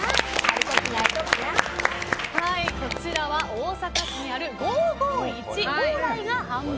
こちらは大阪市にある５５１ＨＯＲＡＩが販売。